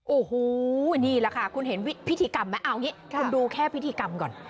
โอ้โหนี่แหละค่ะคุณเห็นพิธีกรรมไหมเอาอย่างนี้คุณดูแค่พิธีกรรมก่อน